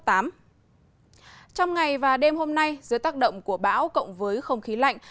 trong ngày và đêm hôm nay dưới tác động của bão cộng với không khí lạnh